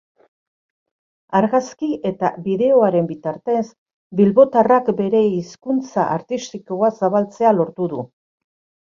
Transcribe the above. Argazki eta bideoaren bitartez, bilbotarrak bere hizkuntza artistikoa zabaltzea lortu du.